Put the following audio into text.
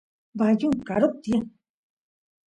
bañu karup tiyan